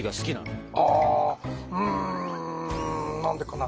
うん何でかな？